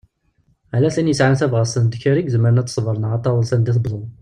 Ala tin yesɛan tabɣest n ddkir i izmren ad tesber neɣ ad taweḍ s anda tewwḍeḍ.